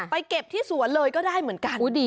เก็บที่สวนเลยก็ได้เหมือนกัน